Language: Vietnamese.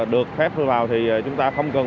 được phép vào thì chúng ta không cần